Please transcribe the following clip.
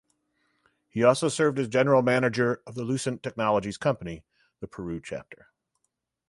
He also served as general manager of the Lucent Technologies company (Peru chapter).